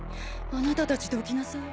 あなたたちどきなさい。